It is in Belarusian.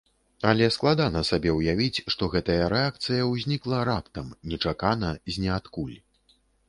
Але складана сабе ўявіць, што гэтая рэакцыя ўзнікла раптам, нечакана, з ніадкуль.